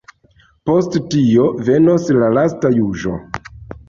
Post tio venos la lasta juĝo.